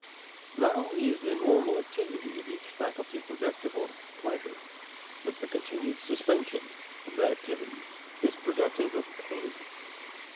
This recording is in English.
Not only is the normal activity of each faculty productive of pleasure, but the continued suspension of that activity is productive of pain.